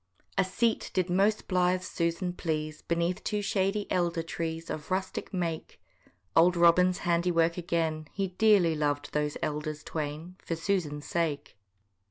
A seat did most blithe Susan please, Beneath two shady elder trees, Of rustic make: Old Robin's handiwork again, He dearly lov'd those elders twain For Susan's sake.